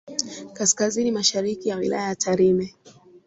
Kaskazini Mashariki ya Wilaya ya Tarime